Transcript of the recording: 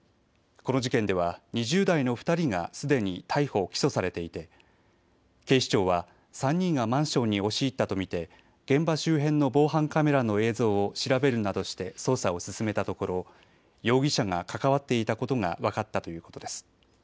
この事件では２０代の２人がすでに逮捕・起訴されていて警視庁は３人がマンションに押し入ったと見て現場周辺の防犯カメラの映像を調べるなどして捜査を進めたところ、容疑者が関わっていたことが分かったということです。